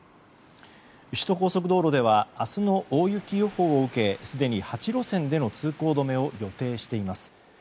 首都高速道路では明日の大雪予報を受けすでに８路線での通行止めを予定しています。